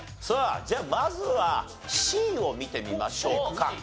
さあじゃあまずはＣを見てみましょうか。